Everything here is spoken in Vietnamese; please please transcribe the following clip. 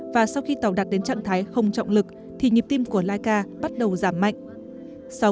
và sau khi tàu đặt đến trạng thái không trọng lực thì nhịp tim của laika bắt đầu giảm mạnh